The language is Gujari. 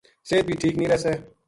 صحت بھی ٹھیک نیہہ رہسے